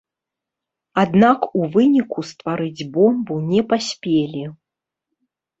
Аднак у выніку стварыць бомбу не паспелі.